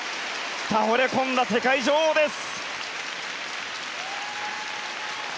倒れ込んだ世界女王です。